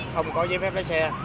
không có giấy phép lái xe